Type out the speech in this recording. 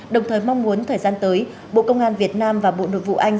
đồng thời mong muốn thời gian tới bộ công an việt nam và bộ nội vụ anh